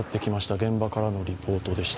現場からのリポートでした。